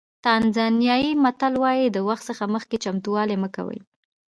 تانزانیایي متل وایي د وخت څخه مخکې چمتووالی مه کوئ.